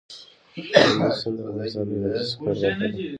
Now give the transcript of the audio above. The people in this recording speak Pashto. کندز سیند د افغانستان د انرژۍ سکتور برخه ده.